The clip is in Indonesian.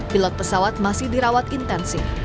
pilot pesawat masih dirawat intensif